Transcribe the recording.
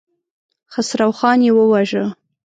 خسروخان يې وواژه.